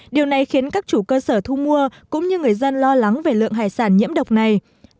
điều này khiến các chủ cơ sở thu mua cũng như người dân lo lắng về lượng hải sản nhiễm độc này